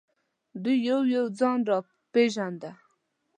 دوی یو یو ځان را پېژانده.